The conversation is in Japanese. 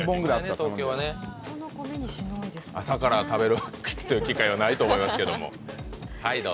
朝から食べる機会はないと思いますけど。